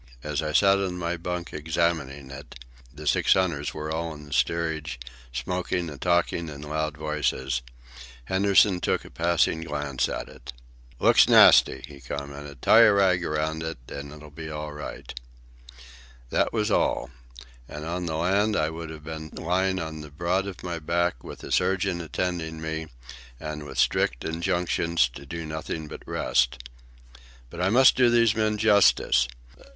As I sat in my bunk examining it (the six hunters were all in the steerage, smoking and talking in loud voices), Henderson took a passing glance at it. "Looks nasty," he commented. "Tie a rag around it, and it'll be all right." That was all; and on the land I would have been lying on the broad of my back, with a surgeon attending on me, and with strict injunctions to do nothing but rest. But I must do these men justice.